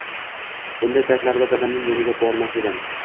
Bunday paytlarda dadamning yoniga bormas edim.